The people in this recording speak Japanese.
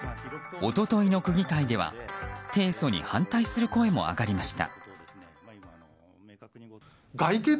一昨日の区議会では提訴に反対する声も上がりました。